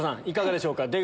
いかがでしょうか？